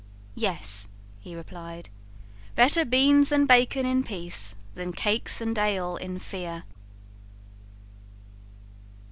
"Yes," he replied; "BETTER BEANS AND BACON IN PEACE THAN CAKES AND ALE IN FEAR."